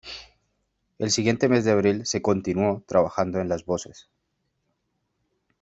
El siguiente mes de abril se continuó trabajando en las voces.